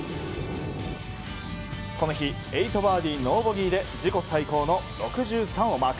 この日８バーディーノーボギーで自己最高の６３をマーク。